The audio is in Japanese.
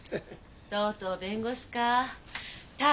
とうとう弁護士かあ。